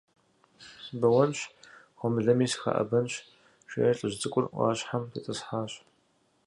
Сыбэуэнщ, гъуэмылэми сыхэӀэбэнщ, - жери лӀыжь цӀыкӀур Ӏуащхьэм тетӀысхьащ.